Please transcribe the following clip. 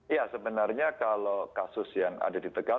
ya sebenarnya kalau kasus yang ada di tegal